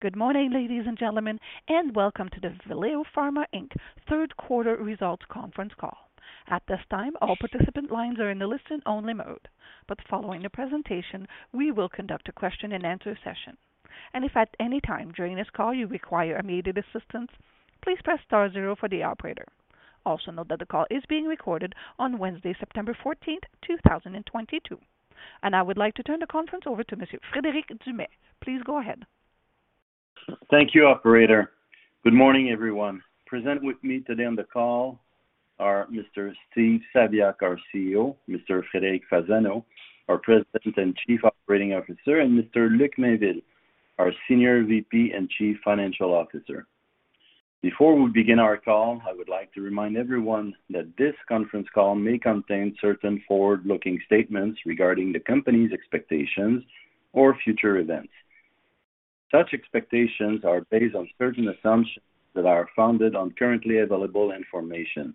Good morning, ladies and gentlemen, and welcome to the Valeo Pharma Inc third quarter results conference call. At this time, all participant lines are in a listen-only mode. Following the presentation, we will conduct a question-and-answer session. If at any time during this call you require immediate assistance, please press star zero for the operator. Also note that the call is being recorded on Wednesday, September 14, 2022. I would like to turn the conference over to Monsieur Frederic Dumais. Please go ahead. Thank you, operator. Good morning, everyone. Present with me today on the call are Mr. Steve Saviuk, our CEO, Mr. Frederic Fasano, our President and Chief Operating Officer, and Mr. Luc Mainville, our Senior VP and Chief Financial Officer. Before we begin our call, I would like to remind everyone that this conference call may contain certain forward-looking statements regarding the company's expectations or future events. Such expectations are based on certain assumptions that are founded on currently available information.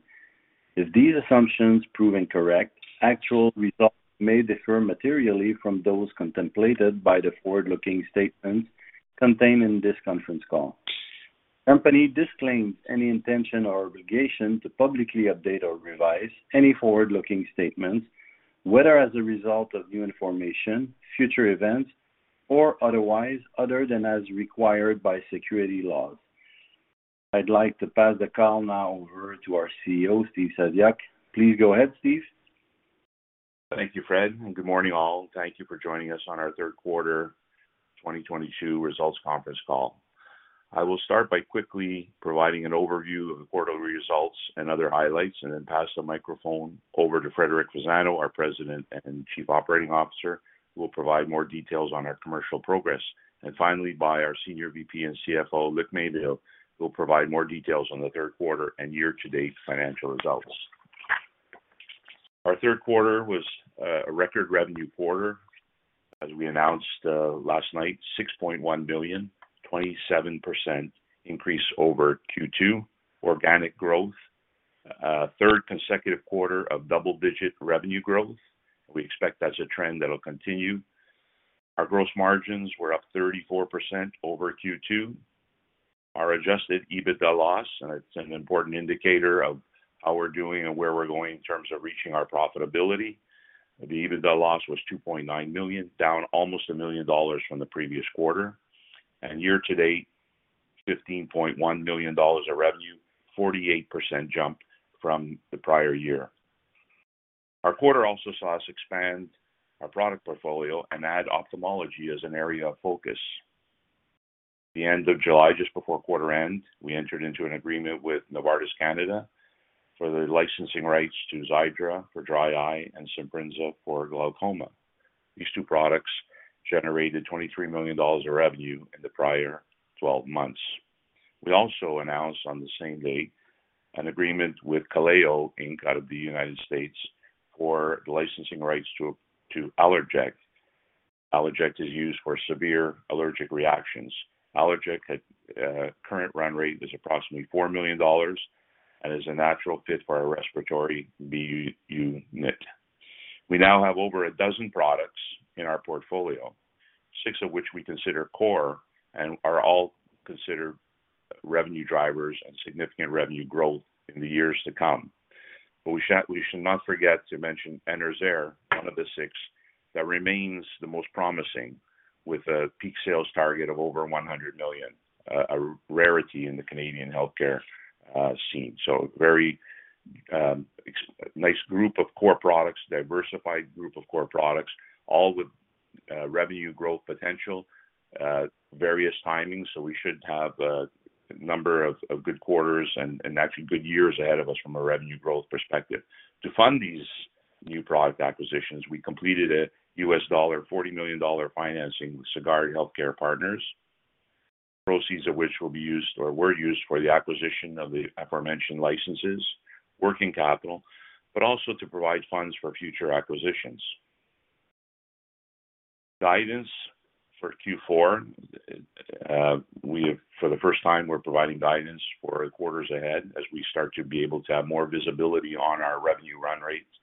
If these assumptions prove incorrect, actual results may differ materially from those contemplated by the forward-looking statements contained in this conference call. Company disclaims any intention or obligation to publicly update or revise any forward-looking statements, whether as a result of new information, future events, or otherwise, other than as required by securities laws. I'd like to pass the call now over to our CEO, Steve Saviuk. Please go ahead, Steve. Thank you, Fred, and good morning, all. Thank you for joining us on our third quarter 2022 results conference call. I will start by quickly providing an overview of the quarterly results and other highlights and then pass the microphone over to Frederic Fasano, our President and Chief Operating Officer, who will provide more details on our commercial progress. Finally, by our Senior VP and CFO, Luc Mainville, who will provide more details on the third quarter and year-to-date financial results. Our third quarter was a record revenue quarter. As we announced last night, 6.1 billion, 27% increase over Q2 organic growth. Third consecutive quarter of double-digit revenue growth. We expect that's a trend that'll continue. Our gross margins were up 34% over Q2. Our Adjusted EBITDA loss, and it's an important indicator of how we're doing and where we're going in terms of reaching our profitability. The EBITDA loss was 2.9 million, down almost 1 million dollars from the previous quarter. Year to date, 15.1 million dollars of revenue, 48% jump from the prior year. Our quarter also saw us expand our product portfolio and add ophthalmology as an area of focus. The end of July, just before quarter end, we entered into an agreement with Novartis Canada for the licensing rights to Xiidra for dry eye and Simbrinza for glaucoma. These two products generated 23 million dollars of revenue in the prior 12 months. We also announced on the same day an agreement with kaléo Inc out of the United States for the licensing rights to ALLERJECT. ALLERJECT is used for severe allergic reactions. ALLERJECT had current run rate is approximately 4 million dollars and is a natural fit for our respiratory business unit. We now have over a dozen products in our portfolio, six of which we consider core and are all considered revenue drivers and significant revenue growth in the years to come. We should not forget to mention Enerzair, one of the six that remains the most promising with a peak sales target of over 100 million, a rarity in the Canadian healthcare scene. Very nice group of core products, diversified group of core products, all with revenue growth potential, various timings. We should have a number of good quarters and actually good years ahead of us from a revenue growth perspective. To fund these new product acquisitions, we completed a $40 million financing with Sagard Healthcare Partners, proceeds of which will be used or were used for the acquisition of the aforementioned licenses, working capital, but also to provide funds for future acquisitions. Guidance for Q4. We have for the first time we're providing guidance for quarters ahead as we start to be able to have more visibility on our revenue run rates,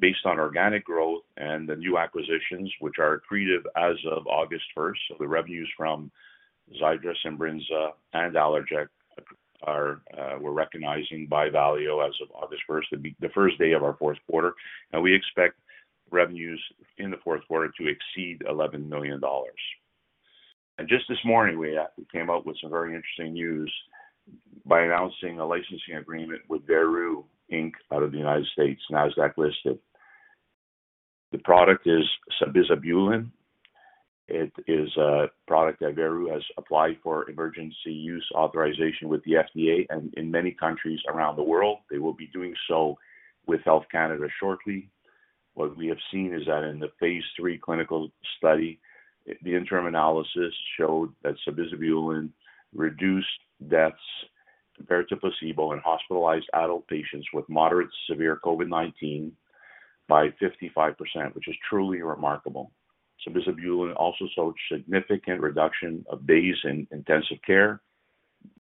based on organic growth and the new acquisitions which are accretive as of August first. The revenues from Xiidra, Simbrinza and ALLERJECT are, we're recognizing by Valeo as of August first, the first day of our fourth quarter. We expect revenues in the fourth quarter to exceed 11 million dollars. Just this morning we came out with some very interesting news by announcing a licensing agreement with Veru Inc out of the United States, Nasdaq listed. The product is sabizabulin. It is a product that Veru has applied for emergency use authorization with the FDA and in many countries around the world. They will be doing so with Health Canada shortly. What we have seen is that in the phase three clinical study, the interim analysis showed that sabizabulin reduced deaths compared to placebo in hospitalized adult patients with moderately severe COVID-19 by 55%, which is truly remarkable. Sabizabulin also showed significant reduction of days in intensive care,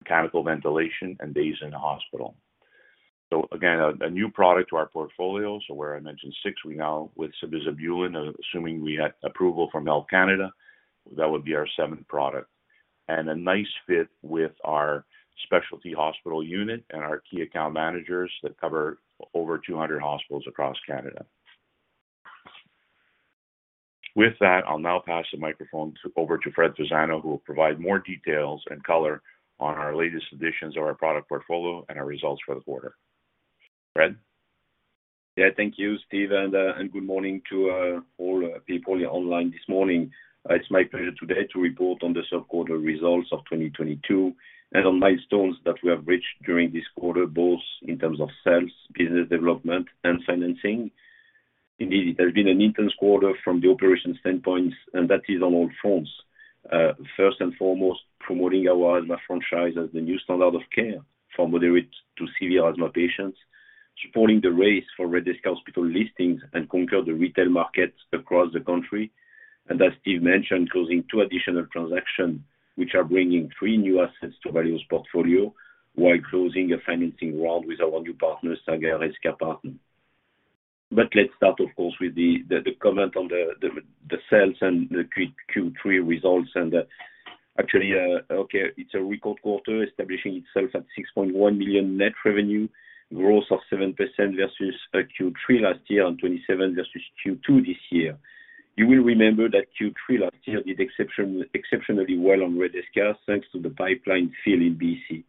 mechanical ventilation and days in the hospital. Again, a new product to our portfolio. Where I mentioned six, we now with sabizabulin, assuming we had approval from Health Canada, that would be our seventh product and a nice fit with our specialty hospital unit and our key account managers that cover over 200 hospitals across Canada. With that, I'll now pass the microphone over to Frederic Fasano, who will provide more details and color on our latest additions of our product portfolio and our results for the quarter. Fred? Yeah, thank you, Steve, and good morning to all people online this morning. It's my pleasure today to report on the third quarter results of 2022 and on milestones that we have reached during this quarter, both in terms of sales, business development and financing. Indeed, there's been an intense quarter from the operation standpoint, and that is on all fronts. First and foremost, promoting our asthma franchise as the new standard of care for moderate to severe asthma patients, supporting the race for Redesca hospital listings and conquer the retail markets across the country. As Steve mentioned, closing two additional transactions which are bringing three new assets to Valeo's portfolio while closing a financing round with our new partner, Sagard Healthcare Partners. Let's start, of course, with the comment on the sales and the Q3 results. Actually, it's a record quarter establishing itself at 6.1 million net revenue, growth of 7% versus Q3 last year and 27% versus Q2 this year. You will remember that Q3 last year did exceptionally well on Redesca thanks to the pipeline fill in BC.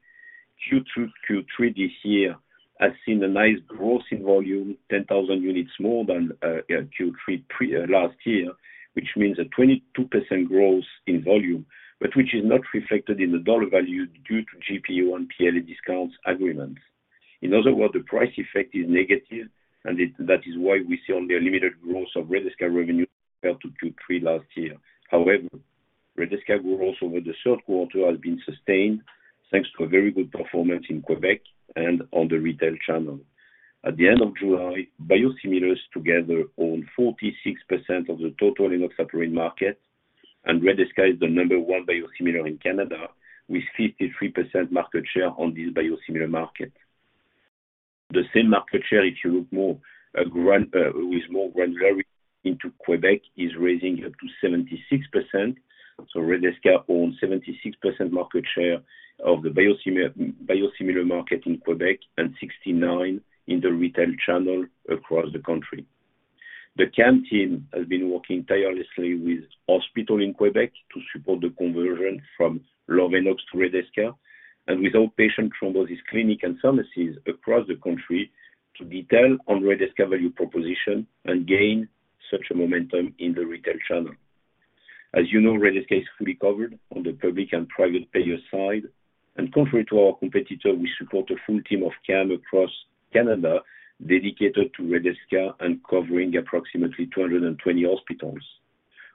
Q2, Q3 this year has seen a nice growth in volume, 10,000 units more than Q3 last year, which means a 22% growth in volume, but which is not reflected in the dollar value due to GPO and PLA discounts agreements. In other words, the price effect is negative, and that is why we see only a limited growth of Redesca revenue compared to Q3 last year. However, Redesca growth over the third quarter has been sustained thanks to a very good performance in Quebec and on the retail channel. At the end of July, biosimilars together owned 46% of the total enoxaparin market and Redesca is the number one biosimilar in Canada with 53% market share on this biosimilar market. The same market share, if you look more with more granularity into Quebec, is rising up to 76%. Redesca owns 76% market share of the biosimilar market in Quebec and 69% in the retail channel across the country. The KAM team has been working tirelessly with hospitals in Quebec to support the conversion from Lovenox to Redesca and with outpatient thrombosis clinics and pharmacies across the country to detail on Redesca value proposition and gain such a momentum in the retail channel. As you know, Redesca is fully covered on the public and private payer side. Contrary to our competitor, we support a full team of KAM across Canada dedicated to Redesca and covering approximately 220 hospitals.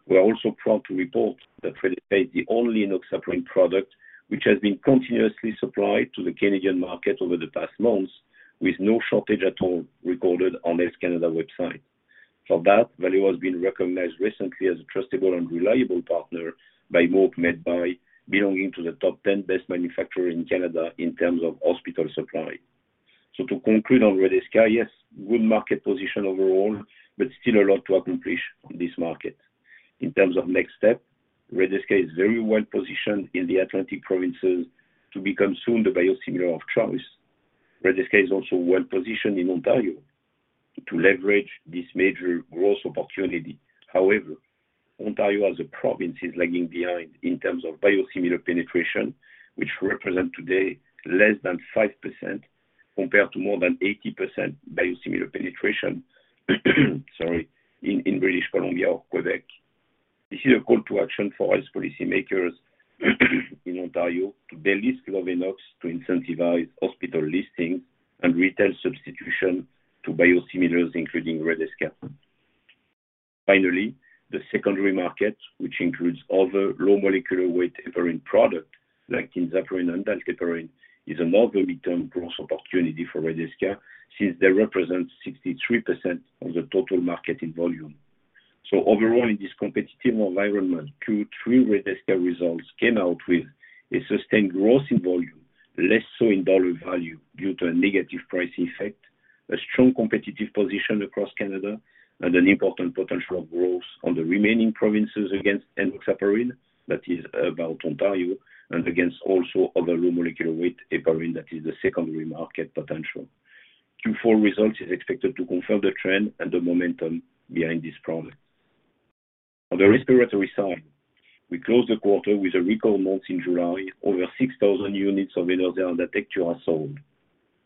We are also proud to report that Redesca is the only enoxaparin product which has been continuously supplied to the Canadian market over the past months with no shortage at all recorded on S Canada website. For that, Valeo has been recognized recently as a trustable and reliable partner by Mohawk Medbuy belonging to the top 10 best manufacturer in Canada in terms of hospital supply. To conclude on Redesca, yes, good market position overall, but still a lot to accomplish on this market. In terms of next step, Redesca is very well positioned in the Atlantic provinces to become soon the biosimilar of choice. Redesca is also well positioned in Ontario to leverage this major growth opportunity. However, Ontario as a province is lagging behind in terms of biosimilar penetration, which represent today less than 5% compared to more than 80% biosimilar penetration in British Columbia or Quebec. This is a call to action for Ontario policy makers in Ontario to de-list Lovenox to incentivize hospital listings and retail substitution to biosimilars, including Redesca. Finally, the secondary market, which includes other low molecular weight heparin product like enoxaparin and dalteparin, is another midterm growth opportunity for Redesca since they represent 63% of the total market in volume. Overall, in this competitive environment, Q3 Redesca results came out with a sustained growth in volume, less so in dollar value due to a negative price effect, a strong competitive position across Canada, and an important potential of growth on the remaining provinces against enoxaparin, that is about Ontario, and against also other low molecular weight heparin, that is the secondary market potential. Q4 results is expected to confirm the trend and the momentum behind this product. On the respiratory side, we closed the quarter with a record month in July. Over 6,000 units of Enerzair and Atectura are sold.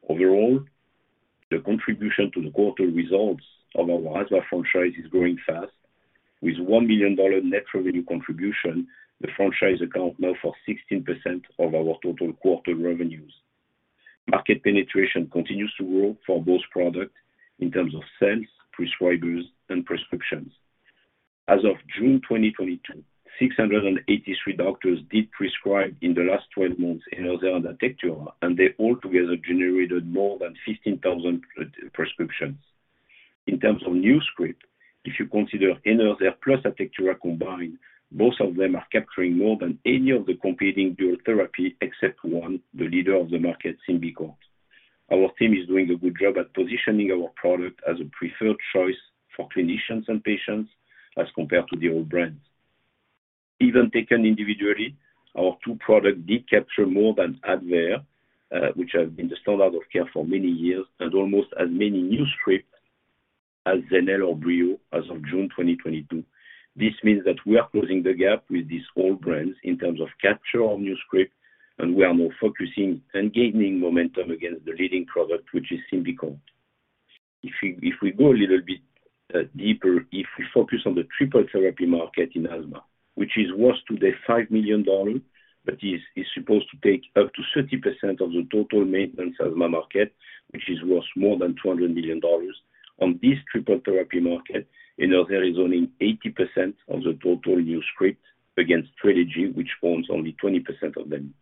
Overall, the contribution to the quarter results of our asthma franchise is growing fast. With 1 million dollar net revenue contribution, the franchise account now for 16% of our total quarter revenues. Market penetration continues to grow for both products in terms of sales, prescribers, and prescriptions. As of June 2022, 683 doctors did prescribe in the last twelve months Enerzair and Atectura, and they all together generated more than 15,000 prescriptions. In terms of new script, if you consider Enerzair + Atectura combined, both of them are capturing more than any of the competing dual therapy except one, the leader of the market, Symbicort. Our team is doing a good job at positioning our product as a preferred choice for clinicians and patients as compared to the old brands. Even taken individually, our two product did capture more than Advair, which has been the standard of care for many years, and almost as many new script as Zenhale or Breo as of June 2022. This means that we are closing the gap with these old brands in terms of capture of new script, and we are now focusing and gaining momentum against the leading product, which is Symbicort. If we go a little bit deeper, if we focus on the triple therapy market in asthma, which is worth today 5 million dollars, but is supposed to take up to 30% of the total maintenance asthma market, which is worth more than 200 million dollars. On this triple therapy market, Enerzair is owning 80% of the total new script against Trelegy, which owns only 20% of them.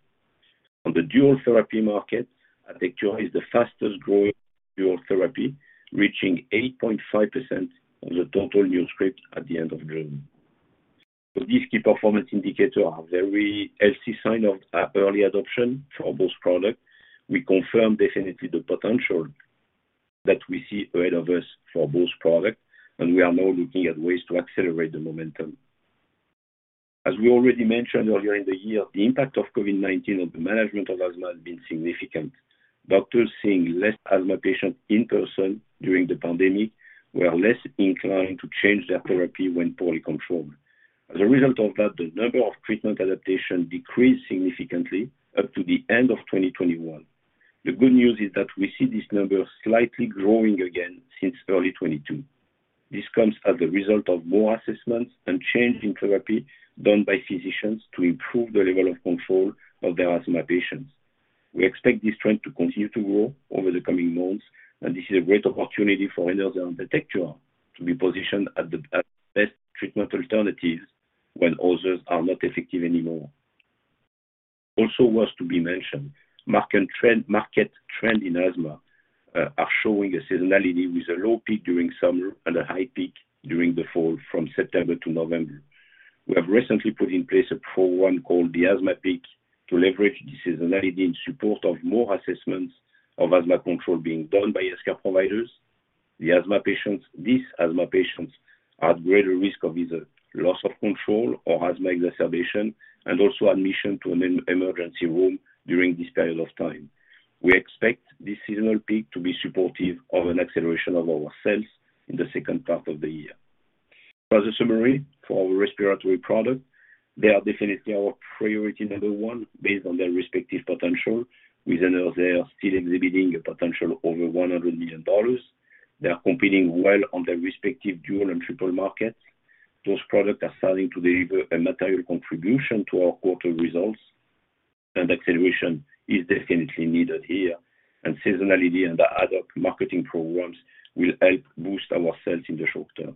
On the dual therapy market, Atectura is the fastest-growing dual therapy, reaching 8.5% of the total new script at the end of June. These key performance indicators are very healthy sign of early adoption for both products. We confirm definitely the potential that we see ahead of us for both products, and we are now looking at ways to accelerate the momentum. As we already mentioned earlier in the year, the impact of COVID-19 on the management of asthma has been significant. Doctors seeing less asthma patients in person during the pandemic were less inclined to change their therapy when poorly controlled. As a result of that, the number of treatment adaptation decreased significantly up to the end of 2021. The good news is that we see this number slightly growing again since early 2022. This comes as a result of more assessments and change in therapy done by physicians to improve the level of control of their asthma patients. We expect this trend to continue to grow over the coming months, and this is a great opportunity for Enerzair and Atectura to be positioned at best treatment alternatives when others are not effective anymore. Also worth to be mentioned, market trend in asthma are showing a seasonality with a low peak during summer and a high peak during the fall from September to November. We have recently put in place a program called the Asthma Peak to leverage the seasonality in support of more assessments of asthma control being done by healthcare providers. These asthma patients are at greater risk of either loss of control or asthma exacerbation and also admission to an emergency room during this period of time. We expect this seasonal peak to be supportive of an acceleration of our sales in the second half of the year. As a summary for our respiratory product, they are definitely our priority number one based on their respective potential, with Enerzair still exhibiting a potential over 100 million dollars. They are competing well on their respective dual and triple markets. Those products are starting to deliver a material contribution to our quarter results, and acceleration is definitely needed here. Seasonality and the other marketing programs will help boost our sales in the short term.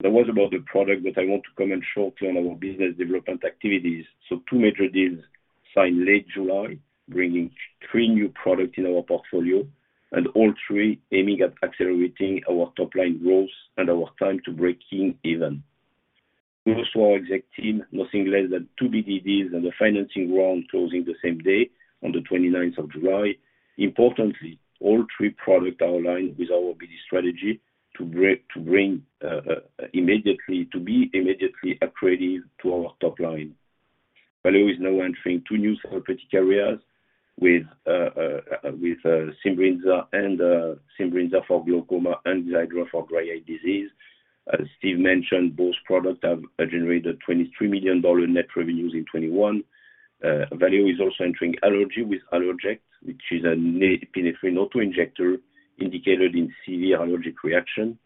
That was about the product that I want to comment shortly on our business development activities. Two major deals signed late July, bringing three new products in our portfolio, and all three aiming at accelerating our top-line growth and our time to breaking even. Most of our exec team, nothing less than two BD deals and a financing round closing the same day on the 29th of July. Importantly, all three products are aligned with our BD strategy to be immediately accretive to our top line. Valeo is now entering two new therapeutic areas with Simbrinza and Xiidra for glaucoma and dry eye disease. As Steve mentioned, both products have generated 23 million dollar net revenues in 2021. Valeo is also entering allergy with ALLERJECT, which is an epinephrine auto-injector indicated in severe allergic reaction.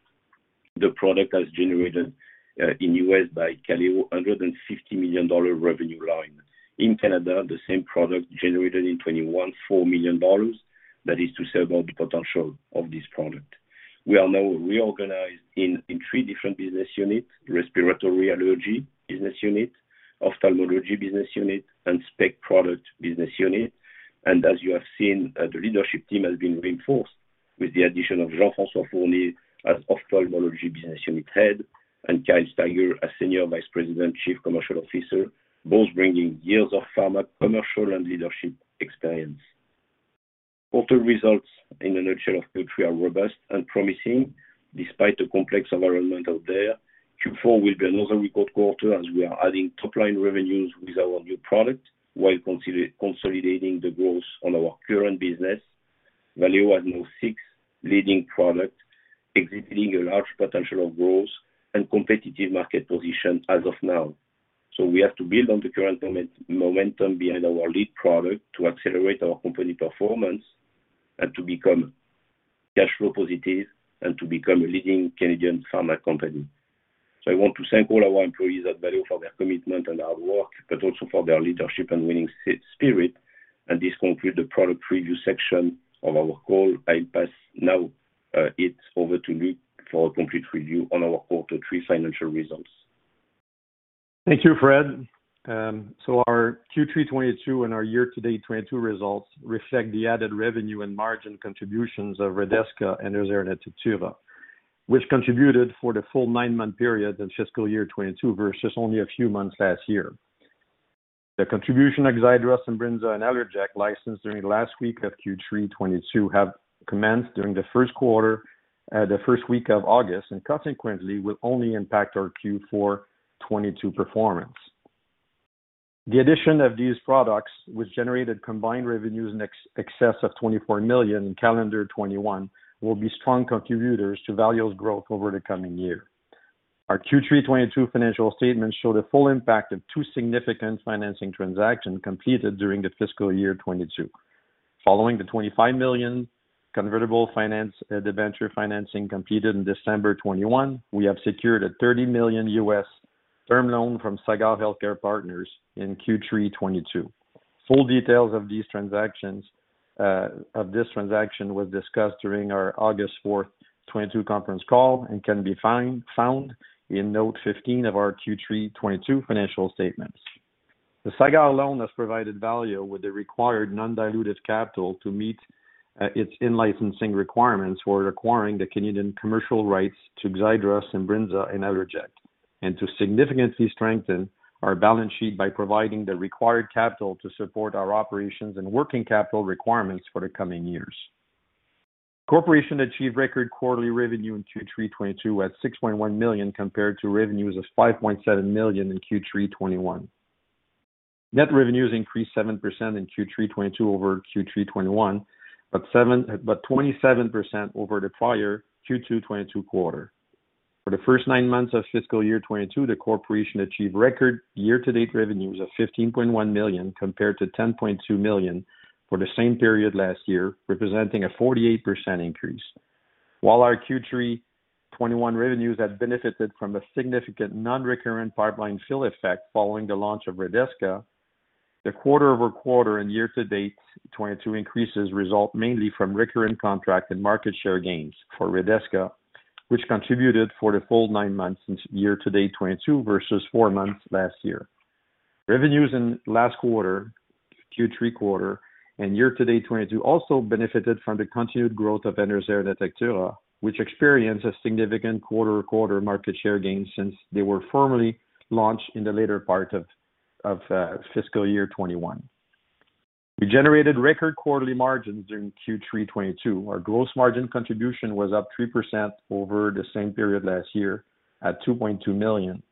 The product has generated in the U.S. by Kaléo $150 million revenue line. In Canada, the same product generated in 2021 4 million dollars. That is to serve all the potential of this product. We are now reorganized in three different business units, respiratory allergy business unit, ophthalmology business unit, and specialty product business unit. As you have seen, the leadership team has been reinforced with the addition of Jean-François Fournier as Ophthalmology Business Unit Head and Kyle Steiger as Senior Vice-President and Chief Commercial Officer, both bringing years of pharma commercial and leadership experience. Q3 results in a nutshell are robust and promising despite the complex environment out there. Q4 will be another record quarter as we are adding top-line revenues with our new product while consolidating the growth on our current business. Valeo has now six leading products exhibiting a large potential of growth and competitive market position as of now. We have to build on the current momentum behind our lead product to accelerate our company performance and to become cash flow positive and to become a leading Canadian pharma company. I want to thank all our employees at Valeo for their commitment and hard work, but also for their leadership and winning spirit. This concludes the product review section of our call. I'll pass now it over to Luc for a complete review on our quarter three financial results. Thank you, Fred. Our Q3 2022 and our year-to-date 2022 results reflect the added revenue and margin contributions of Redesca and Ozurdex, Teveten, which contributed for the full nine month period in fiscal year 2022 versus only a few months last year. The contribution of Xiidra, Simbrinza and ALLERJECT licensed during the last week of Q3 2022 have commenced during the first quarter, the first week of August and consequently will only impact our Q4 2022 performance. The addition of these products, which generated combined revenues in excess of 24 million in calendar 2021, will be strong contributors to Valeo's growth over the coming year. Our Q3 2022 financial statements show the full impact of two significant financing transactions completed during the fiscal year 2022. Following the 25 million convertible debenture financing completed in December 2021, we have secured a $30 million term loan from Sagard Healthcare Partners in Q3 2022. Full details of these transactions of this transaction were discussed during our August 4, 2022 conference call and can be found in note 15 of our Q3 2022 financial statements. The Sagard loan has provided Valeo with the required non-dilutive capital to meet its in-licensing requirements for acquiring the Canadian commercial rights to Xiidra, Simbrinza and Allerject, and to significantly strengthen our balance sheet by providing the required capital to support our operations and working capital requirements for the coming years. The Corporation achieved record quarterly revenue in Q3 2022 at 6.1 million compared to revenues of 5.7 million in Q3 2021. Net revenues increased 7% in Q3 2022 over Q3 2021, but 27% over the prior Q2 2022 quarter. For the first nine months of fiscal year 2022, the corporation achieved record year-to-date revenues of 15.1 million compared to 10.2 million for the same period last year, representing a 48% increase. While our Q3 2021 revenues had benefited from a significant non-recurrent pipeline fill effect following the launch of Redesca, the quarter-over-quarter and year-to-date 2022 increases result mainly from recurrent contract and market share gains for Redesca, which contributed for the full 9 months in year-to-date 2022 versus four months last year. Revenues in last quarter, Q3 quarter and year-to-date 2022 also benefited from the continued growth of Ozurdex, Teveten, which experienced a significant quarter-over-quarter market share gains since they were formally launched in the later part of fiscal year 2021. We generated record quarterly margins in Q3 2022. Our gross margin contribution was up 3% over the same period last year at 2.2 million,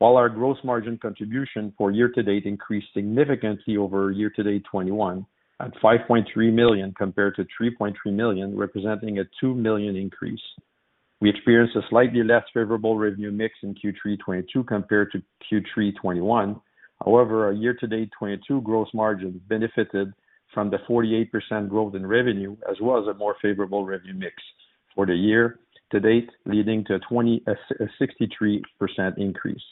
while our gross margin contribution for year-to-date increased significantly over year-to-date 2021 at 5.3 million compared to 3.3 million, representing a 2 million increase. We experienced a slightly less favorable revenue mix in Q3 2022 compared to Q3 2021. However, our year-to-date 2022 gross margin benefited from the 48% growth in revenue as well as a more favorable revenue mix for the year-to-date, leading to a 63% increase.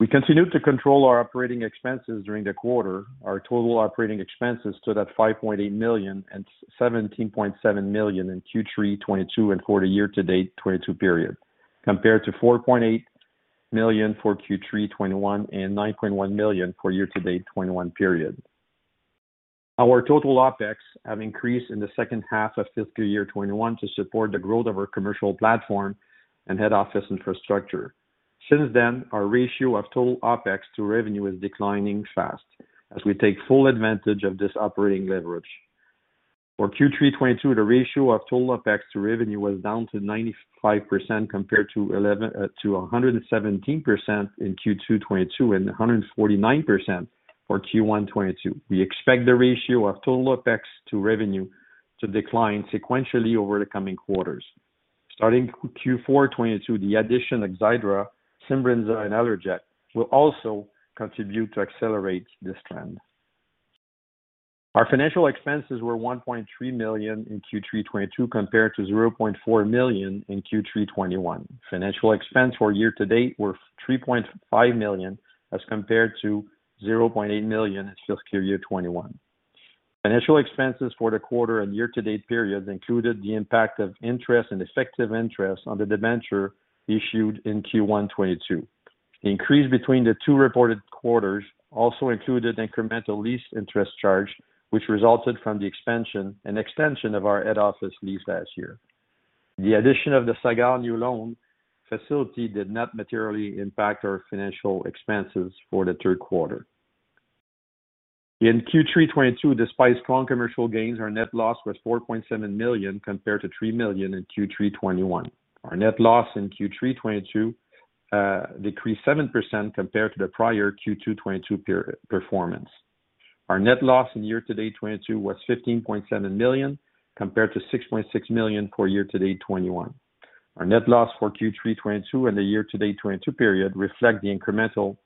We continued to control our operating expenses during the quarter. Our total operating expenses stood at 5.8 million and 17.7 million in Q3 2022 and for the year-to-date 2022 period, compared to 4.8 million for Q3 2021 and 9.1 million for year-to-date 2021 period. Our total OpEx have increased in the second half of fiscal year 2021 to support the growth of our commercial platform and head office infrastructure. Since then, our ratio of total OpEx to revenue is declining fast as we take full advantage of this operating leverage. For Q3 2022, the ratio of total OpEx to revenue was down to 95% compared to 110%-117% in Q2 2022 and 149% for Q1 2022. We expect the ratio of total OpEx to revenue to decline sequentially over the coming quarters. Starting Q4 2022, the addition of Xiidra, Simbrinza and ALLERJECT will also contribute to accelerate this trend. Our financial expenses were 1.3 million in Q3 2022 compared to 0.4 million in Q3 2021. Financial expense for year-to-date were 3.5 million as compared to 0.8 million in fiscal year 2021. Financial expenses for the quarter and year-to-date periods included the impact of interest and effective interest on the debenture issued in Q1 2022. The increase between the two reported quarters also included incremental lease interest charge, which resulted from the expansion and extension of our head office lease last year. The addition of the Sagard new loan facility did not materially impact our financial expenses for the third quarter. In Q3 2022, despite strong commercial gains, our net loss was 4.7 million compared to 3 million in Q3 2021. Our net loss in Q3 2022 decreased 7% compared to the prior Q2 2022 period performance. Our net loss in year-to-date 2022 was 15.7 million compared to 6.6 million for year-to-date 2021. Our net loss for Q3 2022 and the year-to-date 2022 period reflect the incremental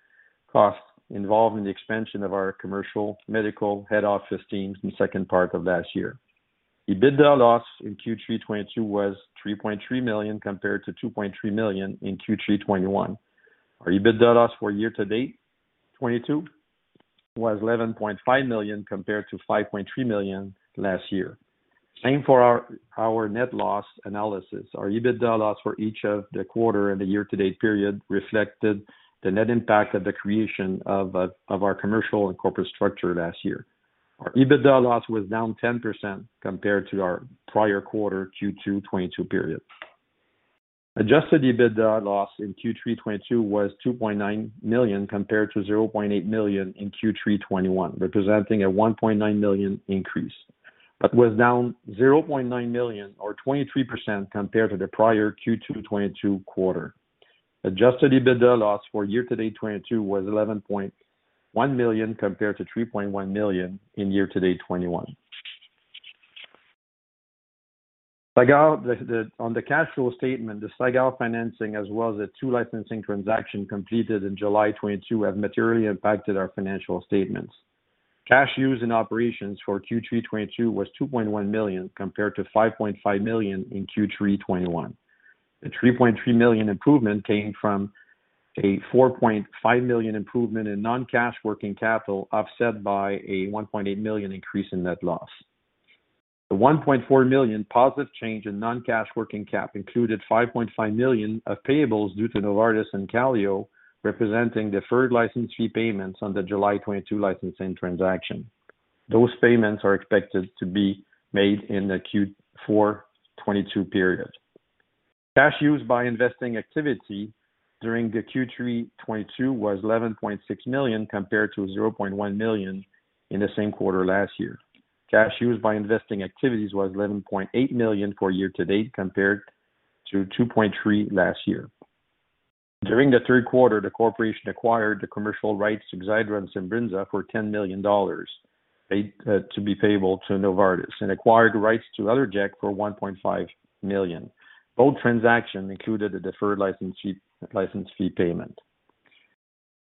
costs involved in the expansion of our commercial medical head office teams in the second part of last year. EBITDA loss in Q3 2022 was 3.3 million compared to 2.3 million in Q3 2021. Our EBITDA loss for year-to-date 2022 was 11.5 million compared to 5.3 million last year. Same for our net loss analysis. Our EBITDA loss for each of the quarter and the year to date period reflected the net impact of the creation of our commercial and corporate structure last year. Our EBITDA loss was down 10% compared to our prior quarter Q2 2022 period. Adjusted EBITDA loss in Q3 2022 was 2.9 million, compared to 0.8 million in Q3 2021, representing a 1.9 million increase, but was down 0.9 million or 23% compared to the prior Q2 2022 quarter. Adjusted EBITDA loss for year to date 2022 was 11.1 million, compared to 3.1 million in year to date 2021. On the cash flow statement, the Sagard financing as well as the two licensing transaction completed in July 2022 have materially impacted our financial statements. Cash used in operations for Q3 2022 was 2.1 million, compared to 5.5 million in Q3 2021. The 3.3 million improvement came from a 4.5 million improvement in non-cash working capital, offset by a 1.8 million increase in net loss. The 1.4 million positive change in non-cash working cap included 5.5 million of payables due to Novartis and Kaléo, representing deferred license repayments on the July 2022 licensing transaction. Those payments are expected to be made in the Q4 2022 period. Cash used by investing activity during the Q3 2022 was 11.6 million, compared to 0.1 million in the same quarter last year. Cash used by investing activities was 11.8 million for year to date, compared to 2.3 million last year. During the third quarter, the corporation acquired the commercial rights to Xiidra and Simbrinza for 10 million dollars paid to be payable to Novartis, and acquired rights to ALLERJECT for 1.5 million. Both transactions included a deferred license fee payment.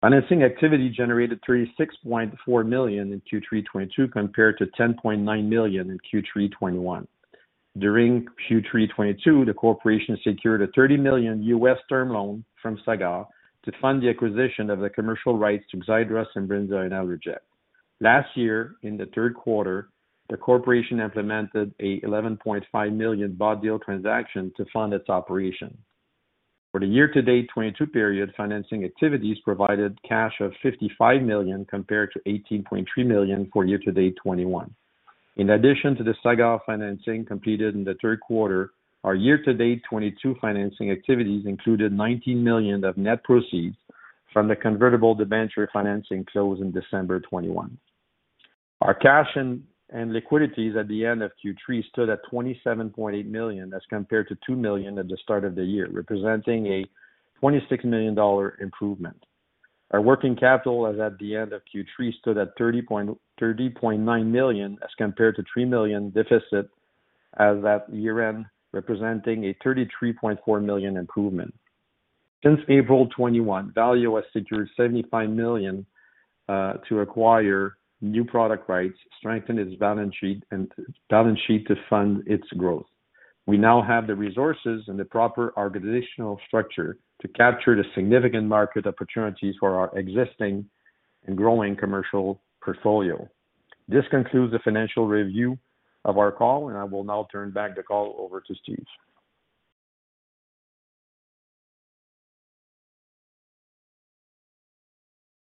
Financing activity generated 36.4 million in Q3 2022, compared to 10.9 million in Q3 2021. During Q3 2022, the corporation secured a $30 million US term loan from Sagard to fund the acquisition of the commercial rights to Xiidra and Simbrinza and ALLERJECT. Last year in the third quarter, the corporation implemented a CAD 11.5 million bought deal transaction to fund its operation. For the year to date 2022 period, financing activities provided cash of 55 million compared to 18.3 million for year to date 2021. In addition to the Sagard financing completed in the third quarter, our year to date 2022 financing activities included 19 million of net proceeds from the convertible debenture financing closed in December 2021. Our cash and liquidities at the end of Q3 stood at 27.8 million as compared to 2 million at the start of the year, representing a 26 million dollar improvement. Our working capital as at the end of Q3 stood at 30.9 million dollar as compared to 3 million deficit as at year-end, representing a 33.4 million improvement. Since April 2021, Valeo has secured 75 million to acquire new product rights, strengthen its balance sheet to fund its growth. We now have the resources and the proper organizational structure to capture the significant market opportunities for our existing and growing commercial portfolio. This concludes the financial review of our call, and I will now turn back the call over to Steve.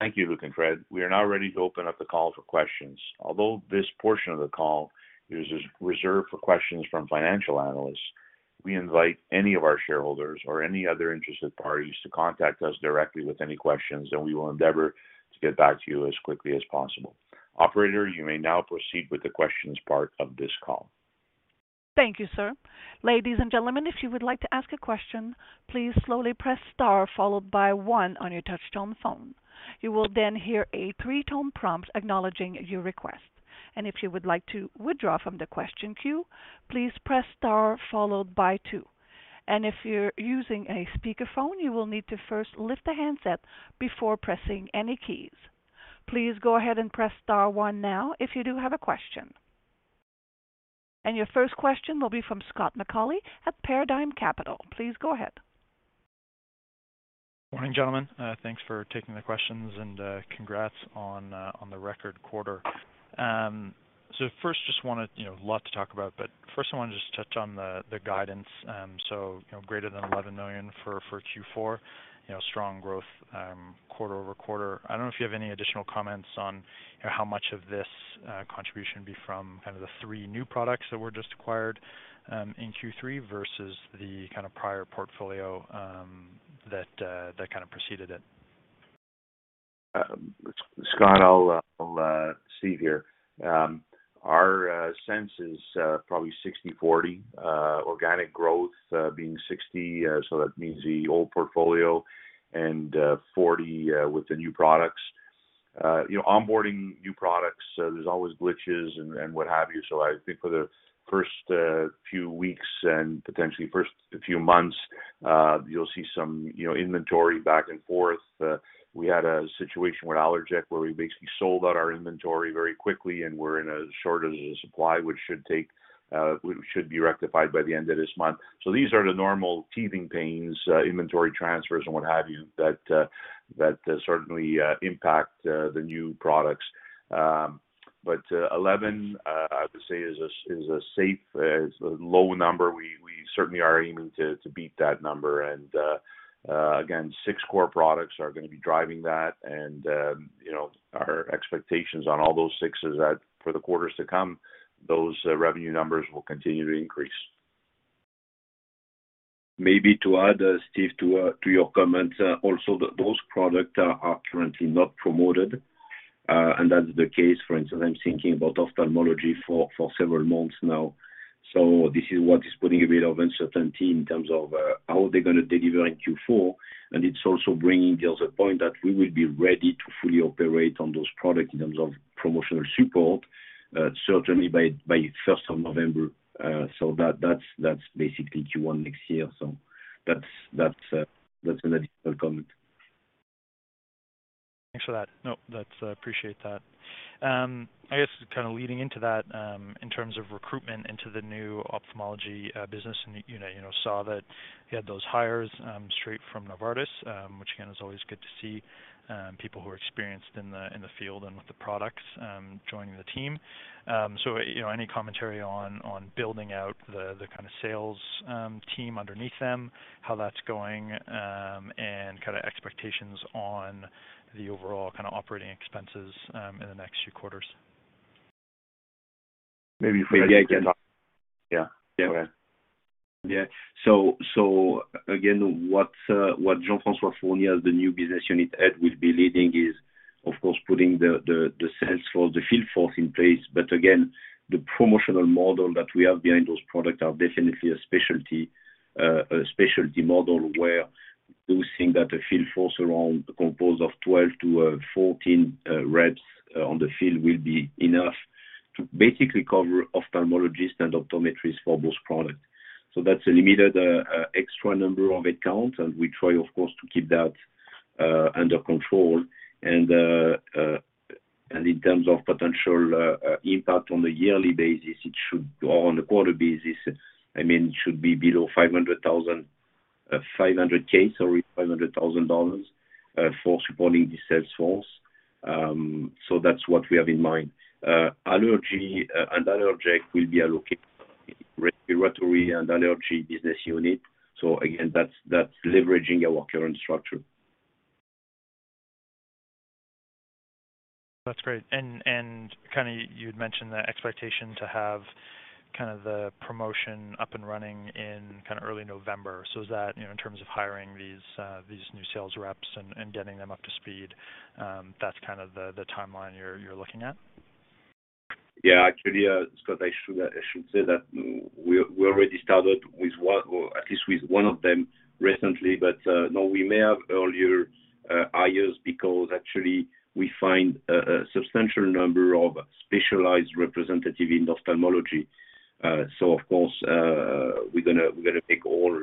Thank you, Luc and Fred. We are now ready to open up the call for questions. Although this portion of the call is reserved for questions from financial analysts, we invite any of our shareholders or any other interested parties to contact us directly with any questions, and we will endeavor to get back to you as quickly as possible. Operator, you may now proceed with the questions part of this call. Thank you, sir. Ladies and gentlemen, if you would like to ask a question, please slowly press star followed by one on your touchtone phone. You will then hear a three-tone prompt acknowledging your request. If you would like to withdraw from the question queue, please press star followed by two. If you're using a speakerphone, you will need to first lift the handset before pressing any keys. Please go ahead and press star one now if you do have a question. Your first question will be from Scott McAuley at Paradigm Capital. Please go ahead. Morning, gentlemen. Thanks for taking the questions and congrats on the record quarter. First just wanted, you know, a lot to talk about, but first I wanted to just touch on the guidance. You know, greater than 11 million for Q4, you know, strong growth quarter-over-quarter. I don't know if you have any additional comments on how much of this contribution would be from kind of the three new products that were just acquired in Q3 versus the kind of prior portfolio that kind of preceded it. Scott, it's Steve here. Our sense is probably 60/40 organic growth being 60, so that means the old portfolio and 40 with the new products. You know, onboarding new products, there's always glitches and what have you. I think for the first few weeks and potentially first few months, you'll see some, you know, inventory back and forth. We had a situation with ALLERJECT where we basically sold out our inventory very quickly, and we're in a shortage of supply, which should be rectified by the end of this month. These are the normal teething pains, inventory transfers and what have you, that certainly impact the new products. 11, I would say, is a safe, low number. We certainly are aiming to beat that number. Again, six core products are gonna be driving that. You know, our expectations on all those six is that for the quarters to come, those revenue numbers will continue to increase. Maybe to add, Steve, to your comment, also those products are currently not promoted. That's the case for instance. I'm thinking about ophthalmology for several months now. This is what is putting a bit of uncertainty in terms of how they're gonna deliver in Q4. It's also bringing. There's a point that we will be ready to fully operate on those products in terms of promotional support, certainly by first of November. That's an additional comment. Thanks for that. No, that's, appreciate that. I guess kind of leading into that, in terms of recruitment into the new ophthalmology business and, you know, saw that you had those hires straight from Novartis, which again is always good to see, people who are experienced in the field and with the products joining the team. You know, any commentary on building out the kind of sales team underneath them, how that's going, and kind of expectations on the overall kind of operating expenses in the next few quarters? Maybe if I can- Maybe I can. Yeah. Yeah. Yeah. Again, what Jean-François Fournier, the new Business Unit Head, will be leading is, of course, putting the sales force in place. Again, the promotional model that we have behind those products are definitely a specialty model where we think that a field force composed of 12-14 reps on the field will be enough to basically cover ophthalmologists and optometrists for those products. That's a limited extra number of accounts, and we try of course to keep that under control. In terms of potential impact on the yearly basis, it should go on a quarter basis. I mean, it should be below 500,000, 500,0000, sorry, 500,000 dollars for supporting the sales force. That's what we have in mind. Allergy and allergic will be allocated respiratory and allergy business unit. Again, that's leveraging our current structure. That's great. Kinda you'd mentioned the expectation to have kind of the promotion up and running in kind of early November. Is that, you know, in terms of hiring these new sales reps and getting them up to speed, that's kind of the timeline you're looking at? Yeah, actually, Scott, I should say that we already started with one, or at least with one of them recently. No, we may have earlier hires because actually we find a substantial number of specialized representatives in ophthalmology. Of course, we're gonna make all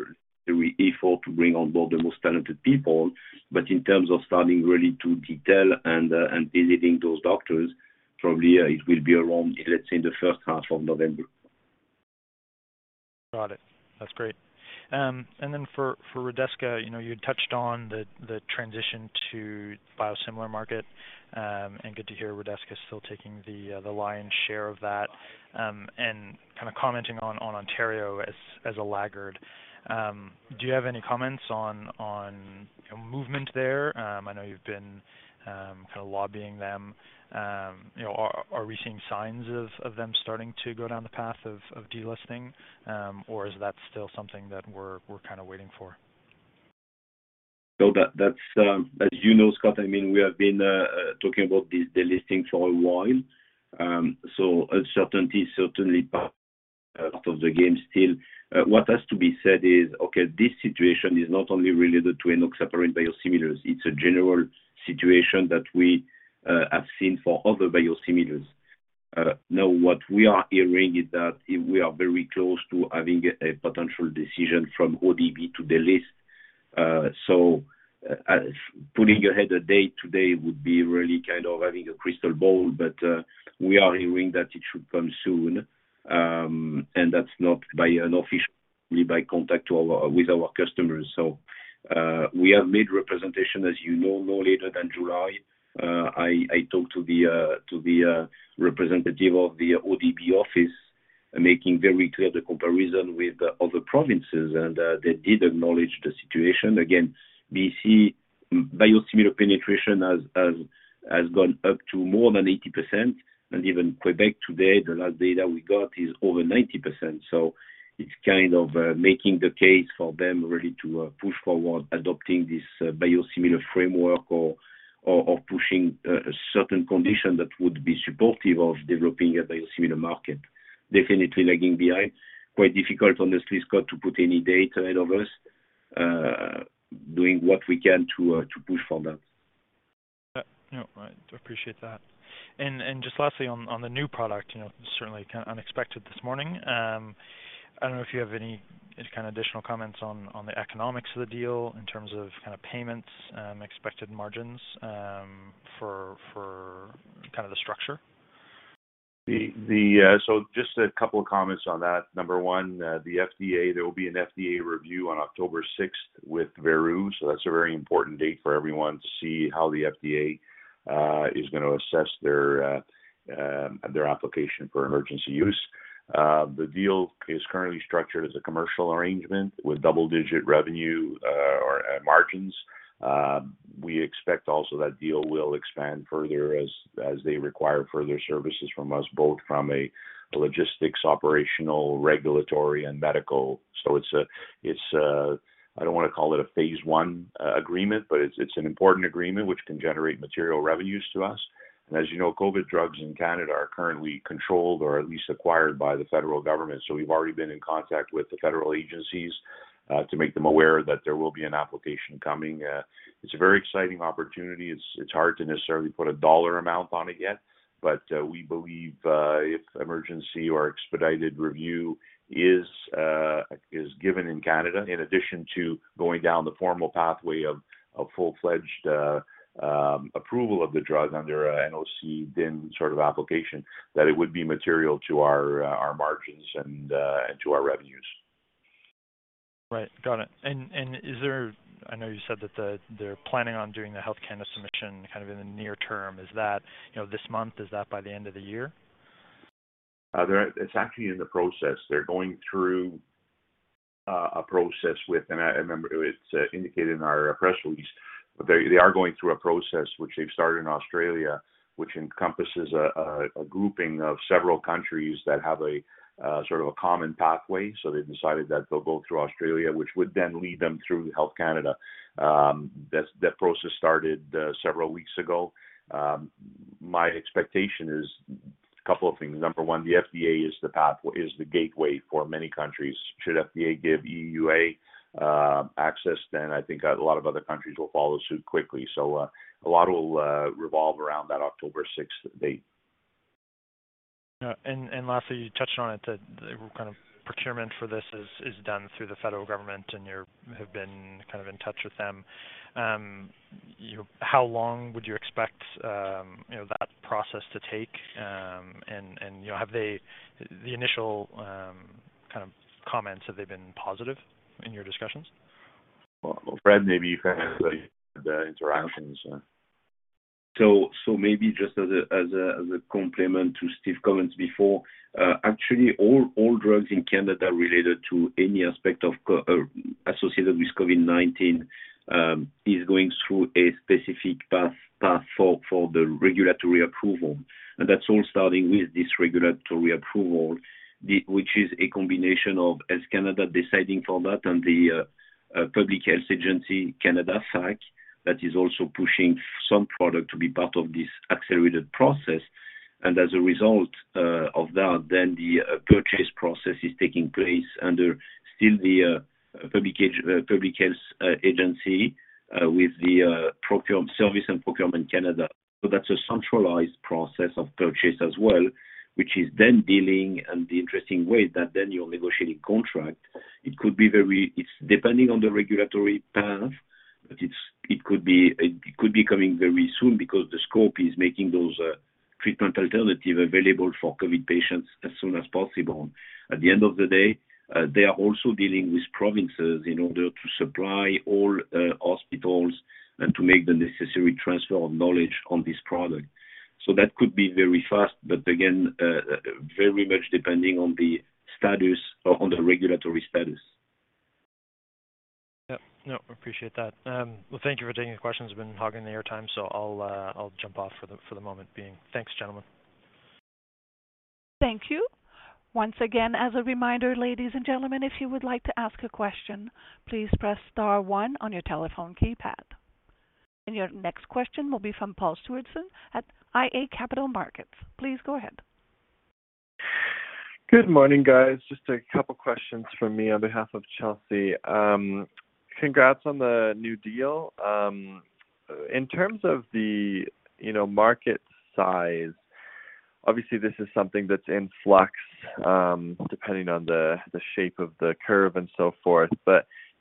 the effort to bring on board the most talented people. In terms of starting really to detail and visiting those doctors, probably it will be around, let's say, in the first half of November. Got it. That's great. For Redesca, you know, you had touched on the transition to biosimilar market, and good to hear Redesca is still taking the lion's share of that. Kind of commenting on Ontario as a laggard. Do you have any comments on movement there? I know you've been kind of lobbying them. You know, are we seeing signs of them starting to go down the path of delisting? Or is that still something that we're kinda waiting for? No, that's as you know, Scott, I mean, we have been talking about this delisting for a while. Uncertainty certainly part of the game still. What has to be said is, okay, this situation is not only related to enoxaparin biosimilars, it's a general situation that we have seen for other biosimilars. Now what we are hearing is that we are very close to having a potential decision from ODB to delist. Putting your head a day ahead today would be really kind of having a crystal ball, but we are hearing that it should come soon. That's not official, but by contact with our customers. We have made representation, as you know, no later than July. I talked to the representative of the ODB office, making very clear the comparison with the other provinces, and they did acknowledge the situation. Again, BC biosimilar penetration has gone up to more than 80%. Even Quebec today, the last data we got is over 90%. It's kind of making the case for them really to push forward adopting this biosimilar framework or pushing a certain condition that would be supportive of developing a biosimilar market. Definitely lagging behind. Quite difficult, honestly, Scott, to put any date ahead of us, doing what we can to push for that. Yeah. No, I appreciate that. Just lastly on the new product, you know, certainly kind of unexpected this morning. I don't know if you have any kind of additional comments on the economics of the deal in terms of kind of payments, expected margins, for kind of the structure? Just a couple of comments on that. Number one, the FDA, there will be an FDA review on October 6 with Veru, so that's a very important date for everyone to see how the FDA is gonna assess their application for emergency use. The deal is currently structured as a commercial arrangement with double-digit revenue or margins. We expect also that deal will expand further as they require further services from us, both from a logistics, operational, regulatory and medical. It's a I don't wanna call it a phase one agreement, but it's an important agreement which can generate material revenues to us. As you know, COVID drugs in Canada are currently controlled or at least acquired by the federal government. We've already been in contact with the federal agencies to make them aware that there will be an application coming. It's a very exciting opportunity. It's hard to necessarily put a dollar amount on it yet. We believe if emergency or expedited review is given in Canada, in addition to going down the formal pathway of full-fledged approval of the drug under a NOC DIN sort of application, that it would be material to our margins and to our revenues. Right. Got it. I know you said that they're planning on doing the Health Canada submission kind of in the near term. Is that, you know, this month? Is that by the end of the year? It's actually in the process. They're going through a process. I remember it's indicated in our press release. They are going through a process which they've started in Australia, which encompasses a grouping of several countries that have sort of a common pathway. They've decided that they'll go through Australia, which would then lead them through Health Canada. That process started several weeks ago. My expectation is a couple of things. Number one, the FDA is the gateway for many countries. Should FDA give EUA access, then I think a lot of other countries will follow suit quickly. A lot will revolve around that October sixth date. Yeah. Lastly, you touched on it, that the kind of procurement for this is done through the federal government, and you have been kind of in touch with them. How long would you expect, you know, that process to take? You know, have the initial kind of comments been positive in your discussions? Well, Fred, maybe you can answer that interactions. Maybe just as a complement to Steve's comments before, actually all drugs in Canada related to any aspect associated with COVID-19 is going through a specific path for the regulatory approval. That's all starting with this regulatory approval, which is a combination of Health Canada deciding for that and the Public Health Agency Canada, PHAC, that is also pushing some product to be part of this accelerated process. As a result of that, then the purchase process is taking place under still the Public Health Agency with the Public Services and Procurement Canada. That's a centralized process of purchase as well, which is then dealing in the interesting way that then you're negotiating contract. It's depending on the regulatory path, but it could be coming very soon because the scope is making those treatment alternative available for COVID patients as soon as possible. At the end of the day, they are also dealing with provinces in order to supply all hospitals and to make the necessary transfer of knowledge on this product. That could be very fast, but again, very much depending on the status or on the regulatory status. Yeah. No, appreciate that. Well, thank you for taking the questions. Been hogging the airtime, so I'll jump off for the moment being. Thanks, gentlemen. Thank you. Once again, as a reminder, ladies and gentlemen, if you would like to ask a question, please press star one on your telephone keypad. Your next question will be from Paul Svendsen at iA Capital Markets. Please go ahead. Good morning, guys. Just a couple questions from me on behalf of Chelsea. Congrats on the new deal. In terms of the, you know, market size, obviously this is something that's in flux, depending on the shape of the curve and so forth.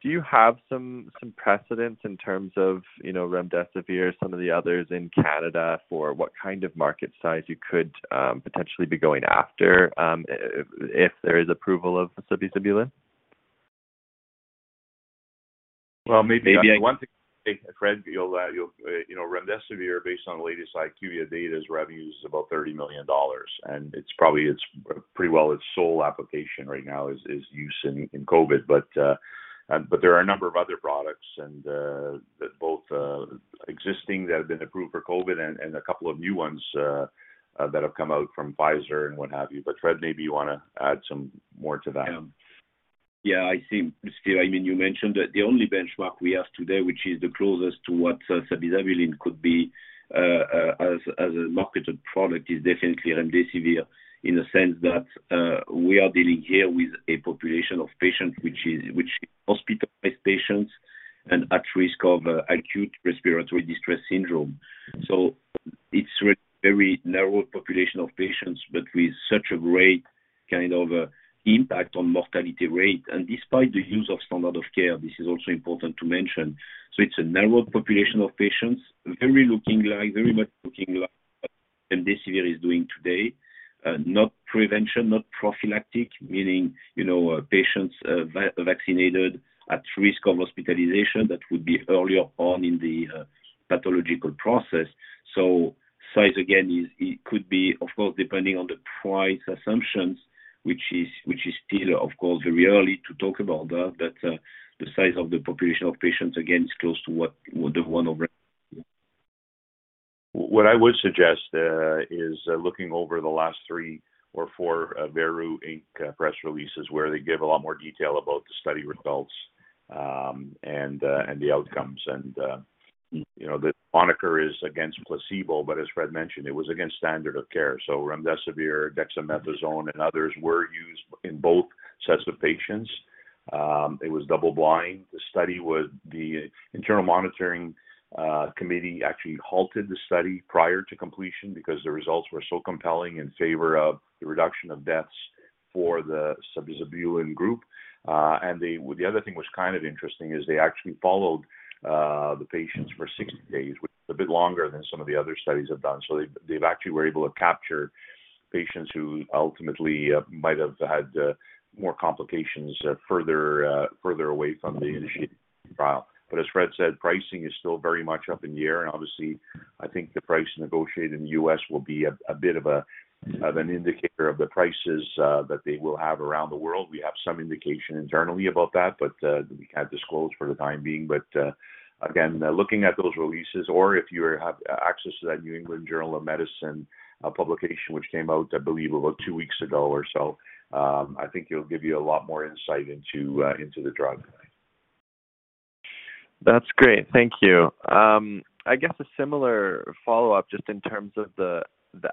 Do you have some precedents in terms of, you know, remdesivir or some of the others in Canada for what kind of market size you could potentially be going after, if there is approval of sabizabulin? Well, maybe one thing, Fred, you'll. You know, remdesivir, based on the latest IQVIA data's revenues, is about 30 million dollars, and it's probably, it's pretty well its sole application right now is use in COVID. There are a number of other products, both existing that have been approved for COVID and a couple of new ones that have come out from Pfizer and what have you. Fred, maybe you wanna add some more to that. Yeah. Yeah, I see, Steve. I mean, you mentioned that the only benchmark we have today, which is the closest to what sabizabulin could be as a marketed product, is definitely remdesivir in the sense that we are dealing here with a population of patients which is hospitalized patients and at risk of acute respiratory distress syndrome. It's a very narrow population of patients, but with such a great kind of a impact on mortality rate. And despite the use of standard of care, this is also important to mention. It's a narrow population of patients, very much looking like what remdesivir is doing today. Not prevention, not prophylactic, meaning, you know, patients vaccinated at risk of hospitalization, that would be earlier on in the pathological process. Size again is, it could be, of course, depending on the price assumptions, which is still, of course, very early to talk about that, but the size of the population of patients again is close to what would have won over. What I would suggest is looking over the last three or four Veru Inc press releases, where they give a lot more detail about the study results and the outcomes. You know, the moniker is against placebo, but as Fred mentioned, it was against standard of care. Remdesivir, dexamethasone, and others were used in both sets of patients. It was double blind. The internal monitoring committee actually halted the study prior to completion because the results were so compelling in favor of the reduction of deaths for the sabizabulin group. The other thing was kind of interesting is they actually followed the patients for 60 days, which is a bit longer than some of the other studies have done. They've actually were able to capture patients who ultimately might have had more complications further away from the initiated trial. As Fred said, pricing is still very much up in the air. Obviously, I think the price negotiated in the U.S. will be a bit of an indicator of the prices that they will have around the world. We have some indication internally about that, but we can't disclose for the time being. Again, looking at those releases or if you have access to that New England Journal of Medicine publication, which came out, I believe, about two weeks ago or so, I think it'll give you a lot more insight into the drug. That's great. Thank you. I guess a similar follow-up, just in terms of the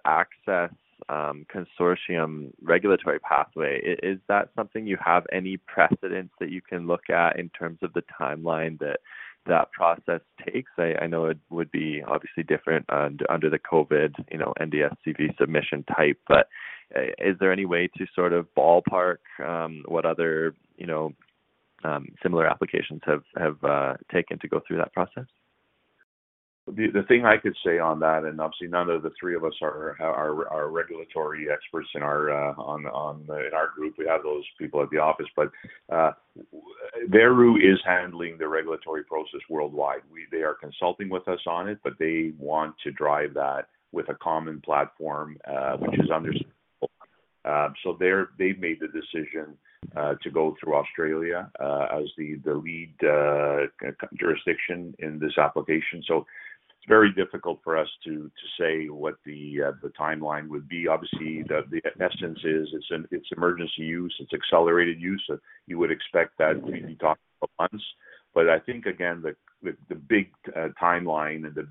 access consortium regulatory pathway. Is that something you have any precedence that you can look at in terms of the timeline that that process takes? I know it would be obviously different under the COVID, you know, NDS CV submission type, but is there any way to sort of ballpark what other, you know, similar applications have taken to go through that process? The thing I could say on that, and obviously none of the three of us are regulatory experts in our group. We have those people at the office. Veru is handling the regulatory process worldwide. They are consulting with us on it, but they want to drive that with a common platform, which is understandable. They've made the decision to go through Australia as the lead jurisdiction in this application. It's very difficult for us to say what the timeline would be. Obviously, the essence is it's emergency use, it's accelerated use. You would expect that to be talked about once. I think again, the big timeline and the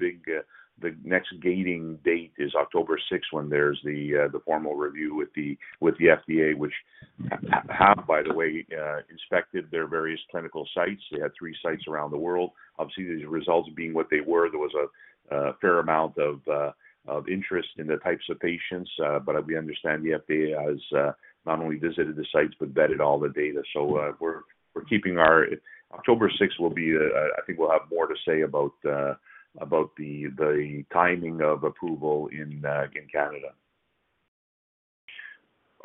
next gating date is October sixth, when there's the formal review with the FDA, which have, by the way, inspected their various clinical sites. They had three sites around the world. Obviously, the results being what they were, there was a fair amount of interest in the types of patients. We understand the FDA has not only visited the sites but vetted all the data. October sixth will be, I think we'll have more to say about the timing of approval in Canada.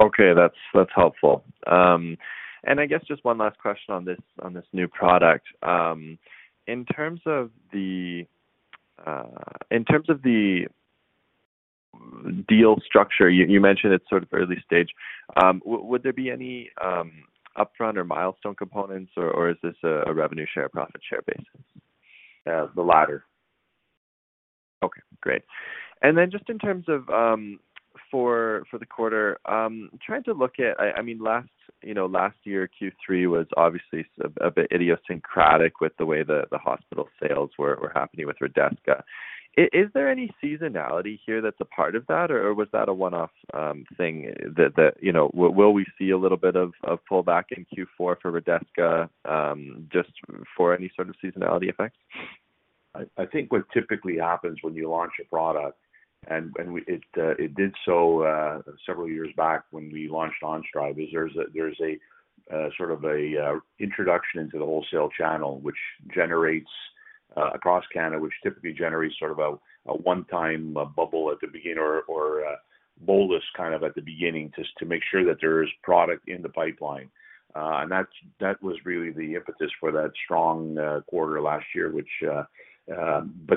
Okay. That's helpful. I guess just one last question on this new product. In terms of the deal structure, you mentioned it's sort of early stage. Would there be any upfront or milestone components, or is this a revenue share, profit share basis? The latter. Okay, great. Then just in terms of for the quarter, trying to look at. I mean, last year, Q3 was obviously a bit idiosyncratic with the way the hospital sales were happening with Redesca. Is there any seasonality here that's a part of that, or was that a one-off thing that you know. Will we see a little bit of pull back in Q4 for Redesca, just for any sort of seasonality effects? I think what typically happens when you launch a product, and we did so several years back when we launched Onstryv, is there's a sort of a introduction to the wholesale channel, which generates across Canada, which typically generates sort of a one-time bubble at the beginning or bolus kind of at the beginning just to make sure that there is product in the pipeline. That's what was really the impetus for that strong quarter last year, which.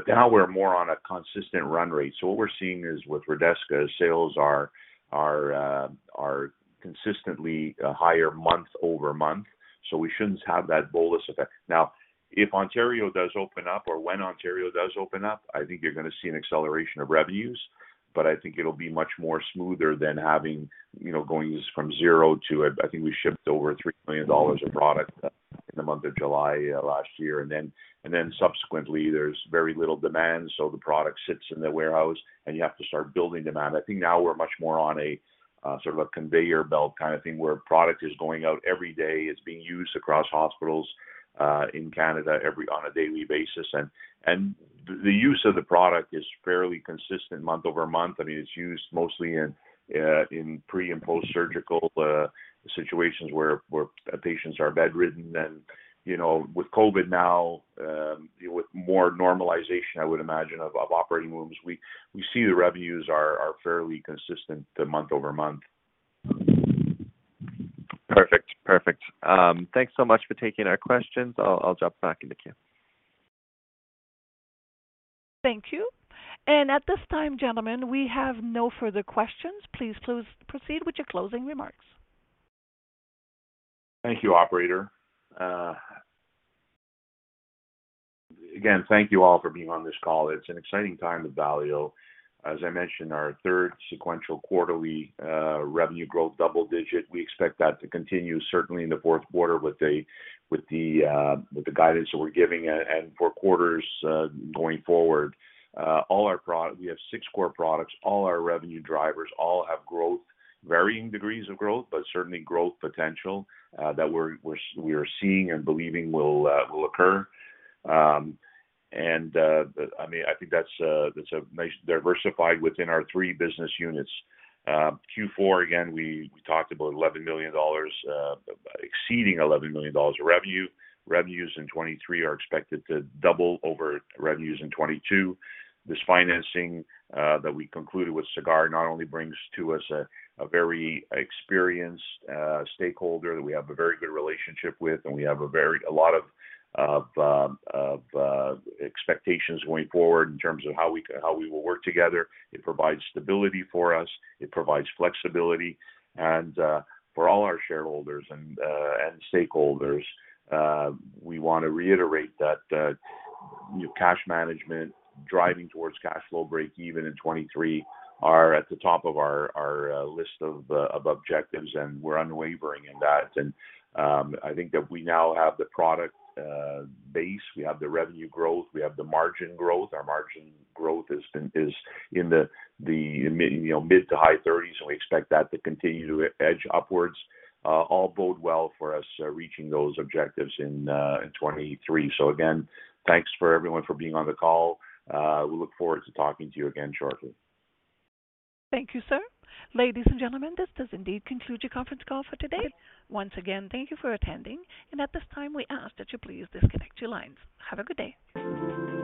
Now we're more on a consistent run rate. What we're seeing is with Redesca, sales are consistently higher month-over-month, so we shouldn't have that bolus effect. Now, if Ontario does open up or when Ontario does open up, I think you're gonna see an acceleration of revenues, but I think it'll be much more smoother than having, you know, going straight from zero to high. I think we shipped over 3 million dollars of product in the month of July last year. Then subsequently, there's very little demand, so the product sits in the warehouse, and you have to start building demand. I think now we're much more on a sort of a conveyor belt kind of thing, where product is going out every day. It's being used across hospitals in Canada on a daily basis. The use of the product is fairly consistent month-over-month. I mean, it's used mostly in pre and post-surgical situations where patients are bedridden. You know, with COVID now, with more normalization of operating rooms, we see the revenues are fairly consistent month-over-month. Perfect. Thanks so much for taking our questions. I'll drop back into queue. Thank you. At this time, gentlemen, we have no further questions. Please proceed with your closing remarks. Thank you, operator. Again, thank you all for being on this call. It's an exciting time at Valeo. As I mentioned, our third sequential quarterly revenue growth double digit. We expect that to continue, certainly in the fourth quarter with the guidance that we're giving and four quarters going forward. We have six core products, all our revenue drivers all have growth, varying degrees of growth, but certainly growth potential that we are seeing and believing will occur. I mean, I think that's a nice diversified within our three business units. Q4, again, we talked about 11 million dollars, exceeding 11 million dollars of revenue. Revenues in 2023 are expected to double over revenues in 2022. This financing that we concluded with Sagard not only brings to us a very experienced stakeholder that we have a very good relationship with, and we have a lot of expectations going forward in terms of how we will work together. It provides stability for us. It provides flexibility. For all our shareholders and stakeholders, we want to reiterate that you know, cash management, driving towards cash flow break-even in 2023 are at the top of our list of objectives, and we're unwavering in that. I think that we now have the product base, we have the revenue growth, we have the margin growth. Our margin growth is in the mid, you know, mid- to high-30s%, and we expect that to continue to edge upwards. All bodes well for us reaching those objectives in 2023. Again, thanks to everyone for being on the call. We look forward to talking to you again shortly. Thank you, sir. Ladies and gentlemen, this does indeed conclude your conference call for today. Once again, thank you for attending, and at this time, we ask that you please disconnect your lines. Have a good day.